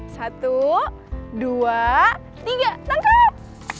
satu dua tiga tangkap